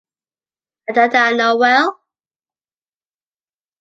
And that I know well!